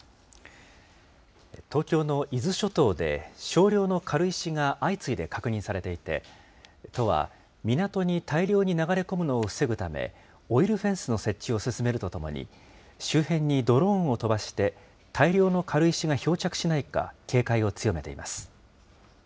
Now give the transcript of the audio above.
東京の伊豆諸島で少量の軽石が相次いで確認されていて、都は港に大量に流れ込むのを防ぐため、オイルフェンスの設置を進めるとともに、周辺にドローンを飛ばして、大量の軽石が漂着しないか、警戒を強めています。